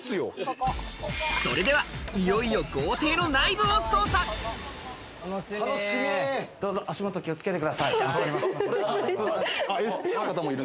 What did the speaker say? それでは、いよいよ豪邸の内どうぞ足元気をつけてください。